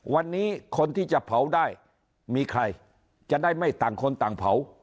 วันนี้คนที่จะเผาได้มีใครจะได้ไม่ต่างคนต่างเผา